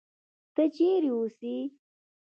ته چېرې اوسې؟